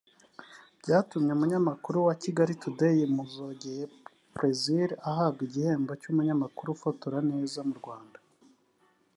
byatumye umunyamakuru wa Kigali Today Muzogeye Plaisir ahabwa igihembo cy’umunyamakuru ufotora neza mu Rwanda